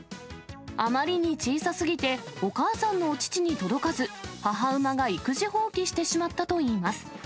あまりに小さすぎて、お母さんのお乳に届かず、母馬が育児放棄してしまったといいます。